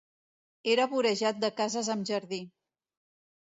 Era vorejat de cases amb jardí.